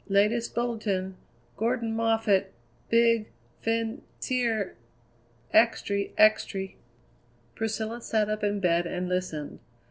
Latest bulletin Gordan Moffatt big fin cier extry! extry!" Priscilla sat up in bed and listened.